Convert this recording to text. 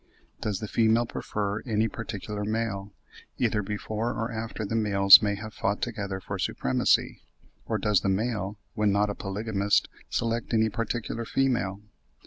Does the female prefer any particular male, either before or after the males may have fought together for supremacy; or does the male, when not a polygamist, select any particular female?